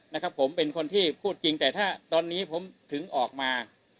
นะครับผมเป็นคนที่พูดจริงแต่ถ้าตอนนี้ผมถึงออกมา